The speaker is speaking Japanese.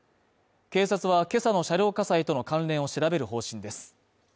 警察はけさの車両火災との関連を調べる方針です。